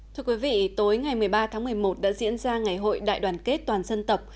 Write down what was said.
thưa quý vị tối ngày một mươi ba tháng một mươi một đã diễn ra ngày hội đại đoàn kết toàn dân tộc